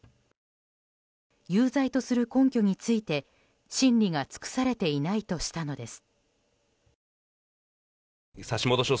有罪とする根拠について審理が尽くされていないとしたのです。